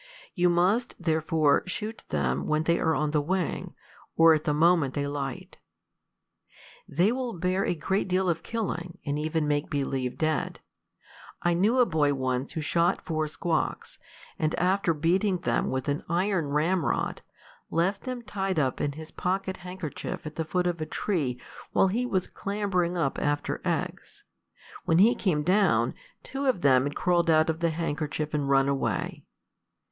You must therefore shoot them when they are on the wing, or at the moment they light. They will bear a great deal of killing, and even make believe dead. I knew a boy once who shot four squawks, and after beating them with an iron ramrod, left them tied up in his pocket handkerchief at the foot of a tree while he was clambering up after eggs: when he came down, two of them had crawled out of the handkerchief and run away.